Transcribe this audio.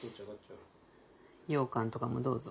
ようかんとかもどうぞ。